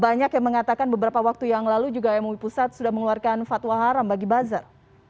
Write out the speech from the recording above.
banyak yang mengatakan beberapa waktu yang lalu juga mui pusat sudah mengeluarkan fatwa haram bagi buzzer